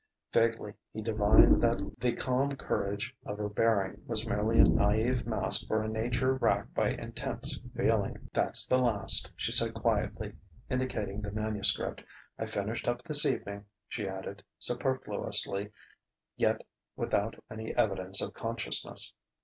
Vaguely he divined that the calm courage of her bearing was merely a naïve mask for a nature racked by intense feeling.... "That's the last," she said quietly, indicating the manuscript. "I finished up this evening," she added, superfluously yet without any evidence of consciousness.